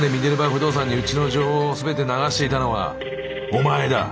不動産にうちの情報を全て流していたのはお前だ！